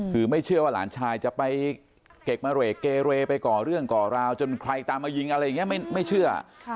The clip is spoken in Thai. คือไม่เชื่อว่าหลานชายจะไปเกะมะเรกเกเรไปก่อเรื่องก่อราวจนใครตามมายิงอะไรอย่างนี้ไม่เชื่อ